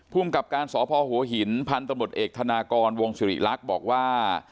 ภูมิกับการสพหัวหินพันธมตเอกธนากรวงศิริรักษ์บอกว่า